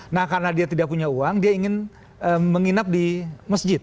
nah karena dia tidak punya uang dia ingin menginap di masjid